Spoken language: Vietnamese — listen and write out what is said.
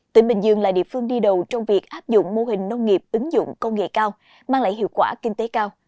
tỉnh bình dương là địa phương đi đầu trong việc áp dụng mô hình nông nghiệp ứng dụng công nghệ cao mang lại hiệu quả kinh tế cao